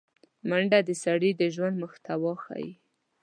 منډه د سړي د ژوند محتوا ښيي